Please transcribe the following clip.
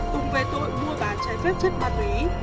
cùng về tội mua bán trái phép chất ma túy